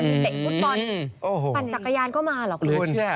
มีเตะฟุตบอลปั่นจักรยานก็มาหรอคุณ